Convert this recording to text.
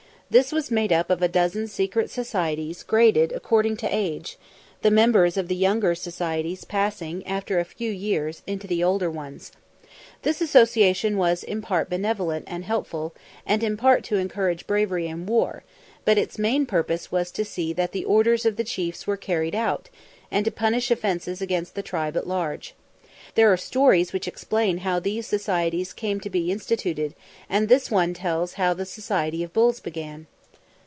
This was made up of a dozen secret societies graded according to age, the members of the younger societies passing, after a few years, into the older ones. This association was in part benevolent and helpful and in part to encourage bravery in war, but its main purpose was to see that the orders of the chiefs were carried out, and to punish offences against the tribe at large. There are stories which explain how these societies came to be instituted, and this one tells how the Society of Bulls began.